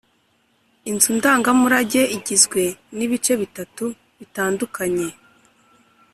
inzundangamurage igizwe n ibice bitatu bitandukanye